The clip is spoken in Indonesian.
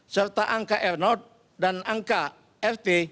serta angka r dan angka rt